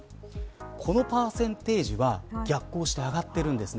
このパーセンテージは逆行して上がってるんですね。